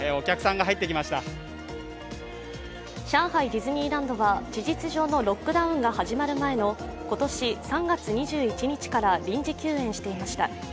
ディズニーランドは事実上のロックダウンが始まる前の今年３月２１日から臨時休園していました。